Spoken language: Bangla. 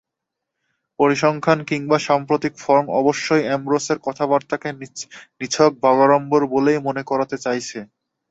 পরিসংখ্যান কিংবা সাম্প্রতিক ফর্ম অবশ্য অ্যামব্রোসের কথাবার্তাকে নিছক বাগাড়ম্বর বলেই মনে করাতে চাইছে।